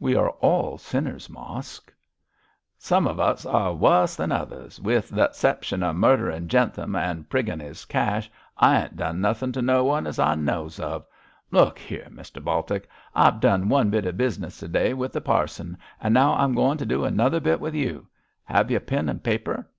'We are all sinners, Mosk.' 'Some of us are wuss than others. With the 'ception of murderin' Jentham and priggin' his cash, I ain't done nothin' to no one as I knows of. Look here, Mr Baltic, I've done one bit of business to day with the parson, and now I'm goin' to do another bit with you. 'Ave you pen and paper?'